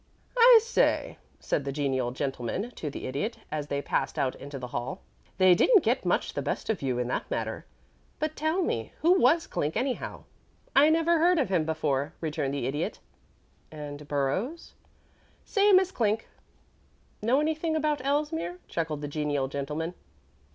"I say," said the genial gentleman to the Idiot, as they passed out into the hall, "they didn't get much the best of you in that matter. But, tell me, who was Clink, anyhow?" "Never heard of him before," returned the Idiot. "And Burrows?" "Same as Clink." "Know anything about Elsmere?" chuckled the genial gentleman.